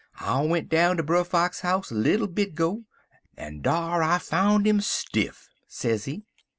I went down ter Brer Fox house little bit 'go, en dar I foun' 'im stiff,' sezee.